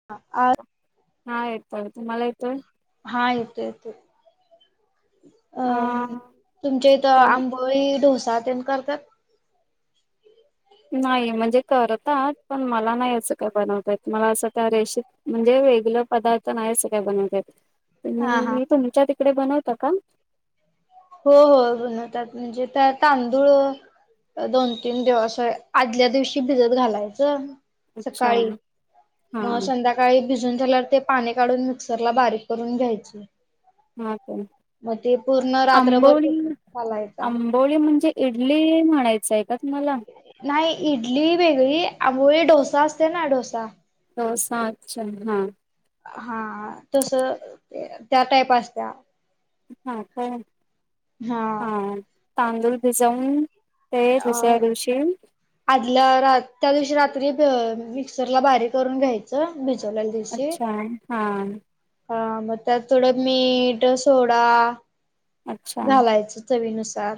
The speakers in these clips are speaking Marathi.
[inaudible] हा येतोय, तुम्हाला येतोय? हा येतोय येतोय अ तुमच्या इथ कोण आम पोळी डोसा तेण करतात. नाही म्हणजे करतात पण मला नाही असं काय बनवता येत मला असं त्या रेशेत म्हणजे वेगल पदार्थ नाही अस काय बनवता येत. हा हा. तुम्ही तुमच्या तिकडे बनवता का? हो हो बनवतात म्हणजे त्या तांदूळ दोन तीन दिवस आदल्या दिवशी भिजत घालायचं. अच्छा सकाळी हा मग संध्याक काळी भिजून झाल्यावर ते पाणी काढून मिक्सरला बारीक करून घ्यायचं. हा काय. मग ते पूर्ण रात्रभर [unintelligible] घालायचा. हे म्हणजे इडली म्हणायचंय का तुम्हाला? नाही इडली वेगळी. आंबोळी डोसा असते ना डोसा डोसा अच्छा हा. हा तस त्या टाईप असत्या. हा काय हा तांदूळ भिजवून ते दुसऱ्या अ दिवशी आदल्या रा त्या दिवशी रात्री भ मिक्सरला बारीक करून घ्यायच. च भिजवलेल्या दिवशी. अच्छा हा हा मग त्यात थोडं मीठ, सोडा अच्छा घालायचं चवीनुसार.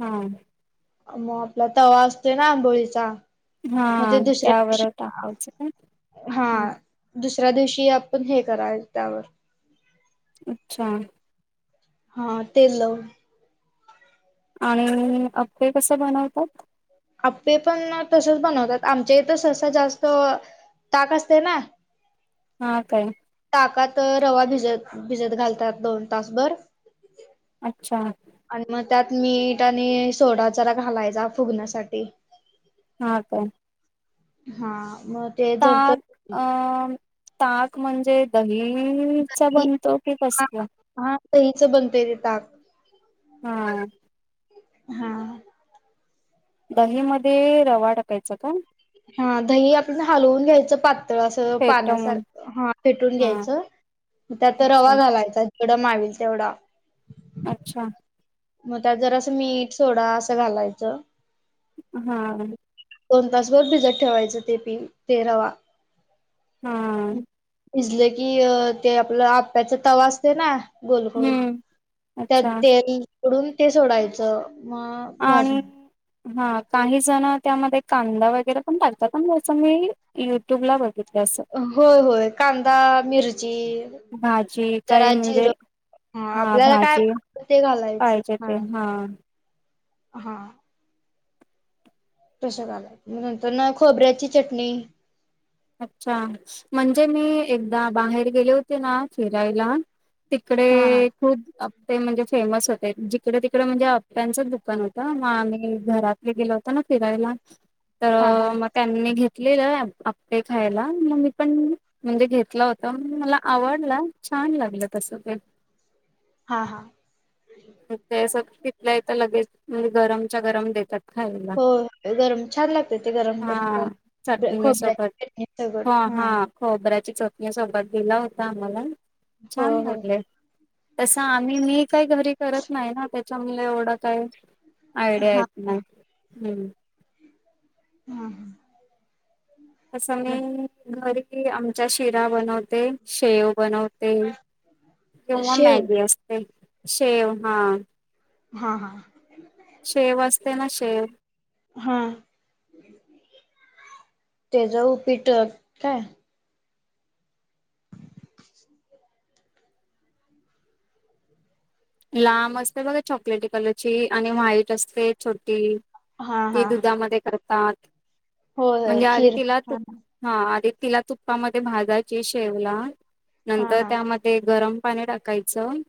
हां. म आपला तवा असतोय ना आंबोळीचा हा म ते दुसऱ्या दिवशी त्यावर टाकायचं का हा. हम्म दुसऱ्या दिवशी आपण हे करायच त्यावर. अच्छा. हा तेल लावून. आणि आप्पे कसे बनवतात? आप्पे पण तसचं बनवतात. आमच्या इथं सहसा जास्त ताक असते ना? हा काय. ताकात रवा भिजत, भिजत घालतात दोन तासभर. आच्छा. आणि मग त्यात मीठ आणि सोडा जरा घालायचा फुगण्यासाठी. हा काय. हा.. आ.. मत ताक अ.. ताक म्हणजे दही.. इ.. चा बनतो की कस हा काय? हा. दहीच बनतय ते ताक. आ.. आ.. हा. दहीमध्ये, रवा टाकायचा का? हा दही आपण हालवून घ्यायचं पात तळ आसं पाण्यासार फेटवून हा फेटून हा घ्यायचं. त्यात ते रवा अच्छा घालायचा. केवढा मावेल तेवढा. आच्छा. म त्यात जरासं मीठ, सोडा आसं घालायचं. हा. दोन तासभर झिजत ठेवायचं ते पी, ते रवा. हा.. आ.. इजले की अ ते आपलं आप्याचा तवा आसते ना गोलगोल. हम्म त्यात अच्छा तेल उडून ते सोडायचं म.. अ.. आणि हा. काही जणं त्यामध्ये कांदा वगैरे पण टाकतात. पण जसं मी युट्यूबला बग ते आसं. होय होय कांदा मिरची भाजी काय जरा म्हणजे जिरं हा आपल्याला काय भाजी, ते घालायचं पाहिजे ते हा हा. तशा घालाय, नंतर न खोबऱ्याची चटणी. आच्छा. म्हणजे मी एकदा, बाहेर गेले होते ना फिरायला तिकडे हा हा ए खूप आप ते म्हणजे फेमस होते. जिकडं तिकडं म्हणजे आप्प्यांचंच दुकान होत. म आम्ही घरात तिथे गेलो होतो ना फिरायला. तर हा हा अ.. म त्यांनी घेतलेलं आप्पे खायला. म मी पण म्हणजे घेतल होत, मला आवडल. छान लागलं तसं ते. हा हा. ते सक इथल्याइथं लगेच म्ह्णजे गरमच्या गरम देतात. खायला होय. गरम छान लागतय ते गरम गरम हा पाणी. चटणी खोबऱ्याच्या चटणीसगट हा खोबऱ्याच्या चोटणी सोबत दिला होता आम्हाला. हो छान हो लागले. तसं आम्ही मी काही घरी करत नाही ना त्याच्यामुळे एवढं काय आयडॅ्या येत नाही हम्. हम् हम्. तसं मी, घरी आमच्या शिरा बनवते. शेव बनवते किंव्हा शेव मॅगी असते. शेव हा हां हां. शेव असते ना शेव हा त्याज उपीट काय लांब असते बघा चॉकलेटी कलरची आणि व्हाईट असते छोटी हा ती हा दुधामध्ये करतात होय होय म्हणजे आदी खीर तिलात हा हा आधि तिला तुप्पामध्ये भाजाची शेवला हा नंतर हा त्यामध्ये ते गरम पाणी टाकायचं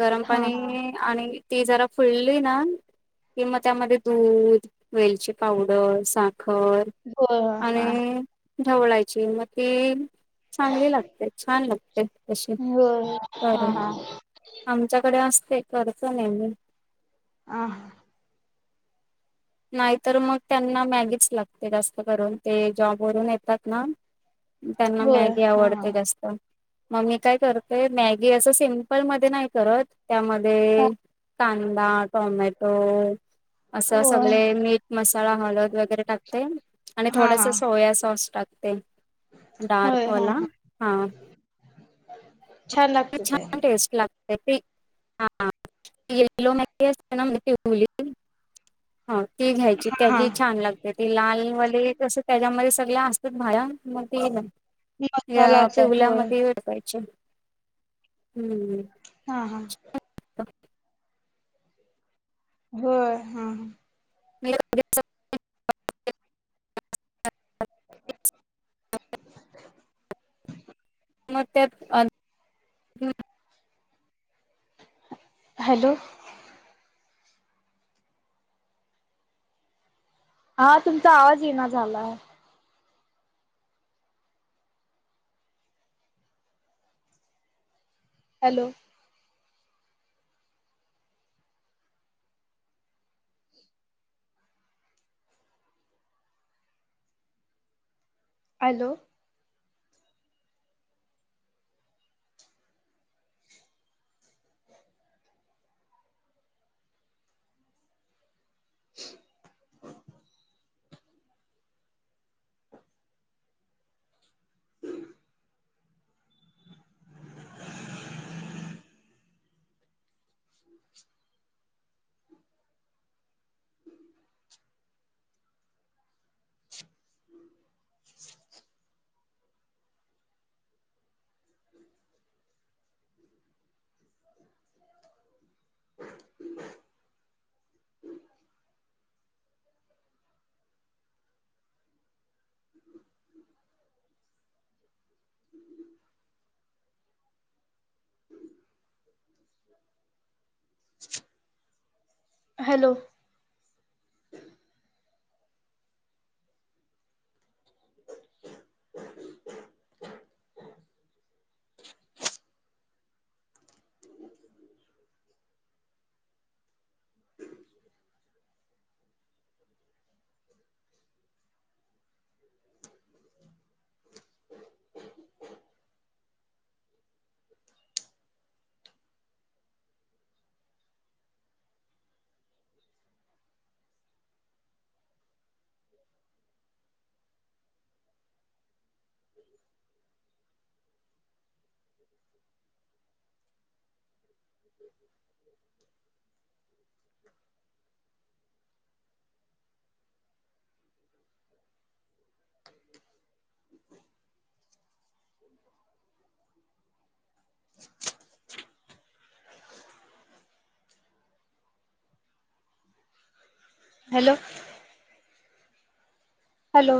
गरम हा हा पाणीईईई आणि ती जरा फुल्ली ना कि म त्यामध्ये दूध, वेलची पावडर, साखर होय आणि ढवळायची म ति चांगली लागते, छान लागते. तशी होय हा करून हा. आमच्याकडे असते, करतो नेहमी आह.. नाहीतर मग त्यांना मॅगीच लागते जास्त करून ते जॉबवरून येतात ना त्यांना होय मॅगी हा हा आवडते जास्त म मी काय करतेय मॅगी असं सिंपलमध्ये नाही करत हा हा त्यामध्ये कांदा, टोमॅटो असं होय सगळे मीठ, मसाला, हळद वगैरे टाकते आणि हा हा हा होय हा थोडस हा सोया सॉस टाकते. होय हा डार्कवाला हा छान म लागत ते छान टेस्ट लागते. [unintelligible] हा ती घ्यायची हा हा त्याजी छान लागते. ती लाल वाली कस त्याच्यामध्ये सगळ्या असतात भाज्या मग ती मसाला या असा होय पिवल्यामध्ये [unintelligible] हम्म. हा हा. होय हा. [unintelligible] [inaudible] [inaudible] मग त्याच अन हॅलो. हा तुमचा आवाज येना झालाय. Hello. Hello. [inaudible] Hello. [inaudible] [inaudible] [unintelligible] Hello. Hello.